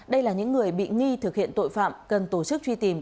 đây là những người bị nghi thực hiện tội phạm cần tổ chức truy tìm